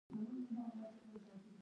د سوېلي افریقا اتحاد رامنځته شو.